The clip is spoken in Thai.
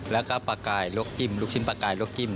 แล้วก็ปลากายลวกจิ้มลูกชิ้นปลากายลวกจิ้ม